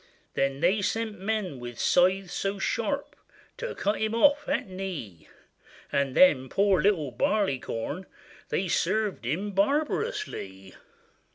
Then they sent men with scythes so sharp, To cut him off at knee; And then poor little Barleycorn, They served him barbarously.